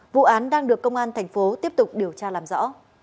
vụ án đang được công an tp tiếp tục điều tra làm rõ